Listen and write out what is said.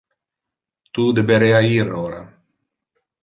Tu deberea ir ora.